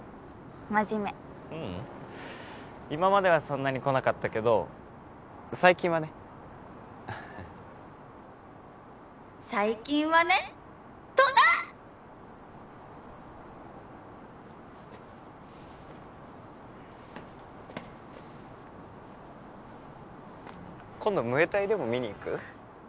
真面目ううん今まではそんなに来なかったけど最近はね「最近はね」とな！今度ムエタイでも見に行く？